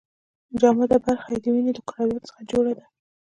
جامده برخه یې د وینې د کرویاتو څخه جوړه ده.